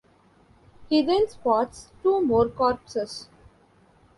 He then spots two more corpses.